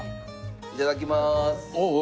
いただきます。